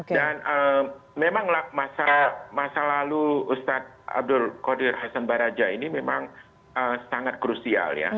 dan memang masa lalu ustadz abdul qadir hasan baraja ini memang sangat krusial ya